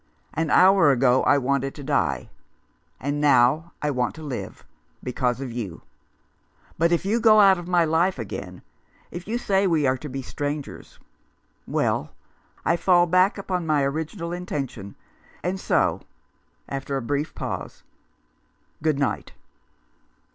An hour ago I wanted to die ; and now I want to live, because of you. But if you go out of my life again, if you say we are to be strangers, well — I fall back 29 Rough Justice. upon my original intention; and so" — after a brief pause —" good night."